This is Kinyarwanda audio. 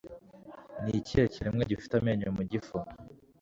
Ni ikihe kiremwa gifite amenyo mu gifu?